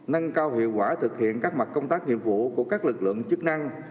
nâng cao hiệu quả thực hiện các mặt công tác nhiệm vụ của các lực lượng chức năng